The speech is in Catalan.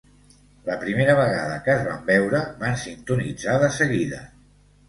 La primera vegada que es van veure van sintonitzar de seguida.